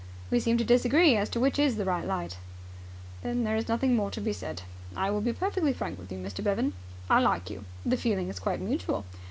"We seem to disagree as to which is the right light." "Then there is nothing more to be said. I will be perfectly frank with you, Mr. Bevan. I like you ..." "The feeling is quite mutual."